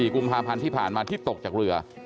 ๔กุมภาพันธ์ที่ผ่านมาที่ตกจากเรือ